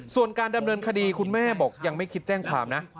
ส่วนการดำเนินคดีคุณแม่บอกยังไม่คิดแจ้งความนะ